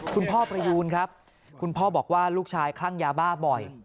พ่อประยูนครับคุณพ่อบอกว่าลูกชายคลั่งยาบ้าบ่อย